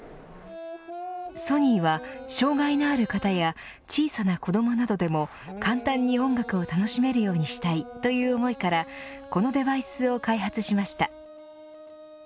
ソニーは障がいのある方や小さな子どもなどでも簡単に音楽を楽しめるようにしたいという思いからこのデバイスを開発しました。